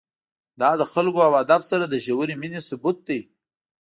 دا له خلکو او ادب سره د ژورې مینې ثبوت دی.